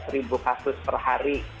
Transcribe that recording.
tiga belas ribu kasus per hari